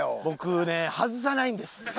僕ね外さないんです。